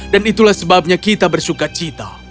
dan itulah sebabnya kita bersuka cita